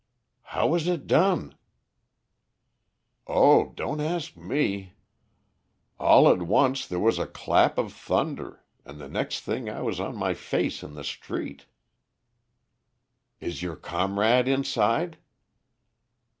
"How was it done?" "Oh, don't ask me. All at once there was a clap of thunder, and the next thing I was on my face in the street." "Is your comrade inside?"